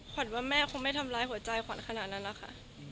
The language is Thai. ว่าแม่คงไม่ทำร้ายหัวใจขวัญขนาดนั้นนะคะ